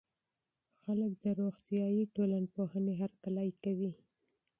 خلګ د روغتيائي ټولنپوهنې هرکلی کوي.